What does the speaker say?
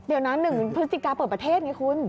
เดี๋ยวนะ๑พฤศจิกาเปิดประเทศไงคุณ